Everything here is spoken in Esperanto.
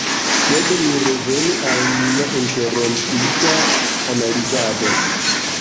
Sed ni revenu al nia interrompita analizado.